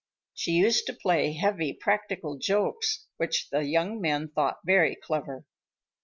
She used to play heavy practical jokes which the young men thought very clever.